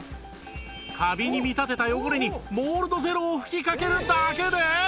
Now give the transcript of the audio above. カビに見立てた汚れにモールドゼロを吹きかけるだけで